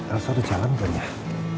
elsa udah jalan kan ya